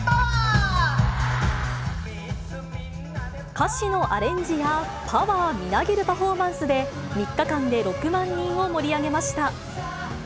歌詞のアレンジや、パワーみなぎるパフォーマンスで、３日間で６万人を盛り上げました。